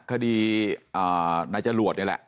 คดีนายจรวดนี่แหละ